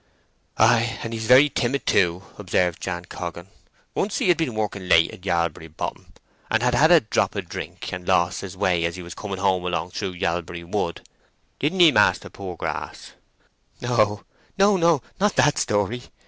"Ay, and he's very timid, too," observed Jan Coggan. "Once he had been working late at Yalbury Bottom, and had had a drap of drink, and lost his way as he was coming home along through Yalbury Wood, didn't ye, Master Poorgrass?" "No, no, no; not that story!"